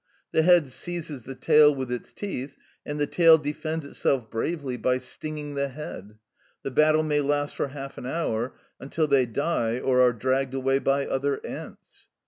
The head seizes the tail with its teeth, and the tail defends itself bravely by stinging the head: the battle may last for half an hour, until they die or are dragged away by other ants.